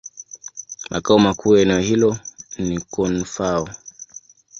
Makao makuu ya eneo hilo ni Koun-Fao.